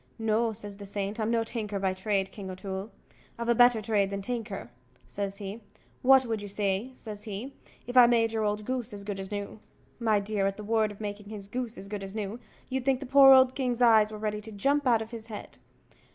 "No," says the saint; "I'm no tinker by trade, King O'Toole; I've a better trade than a tinker," says he "what would you say," says he, "If I made your old goose as good as new?" My dear, at the word of making his goose as good as new, you'd think the poor old king's eyes were ready to jump out of his head.